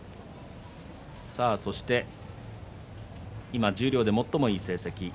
今十両で最もいい成績。